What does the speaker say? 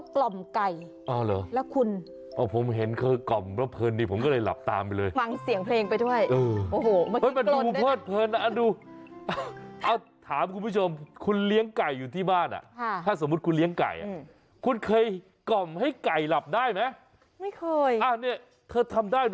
กล่อมให้ไก่หลับได้